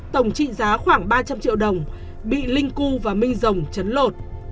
tổng trị giá khoảng ba trăm linh triệu đồng bị linh cư và minh rồng chấn lột